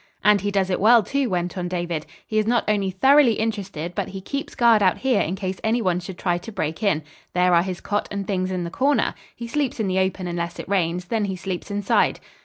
"And he does it well, too," went on David. "He is not only thoroughly interested but he keeps guard out here in case any one should try to break in. There are his cot and things in the corner. He sleeps in the open unless it rains. Then he sleeps inside."